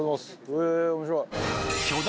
へぇ面白い。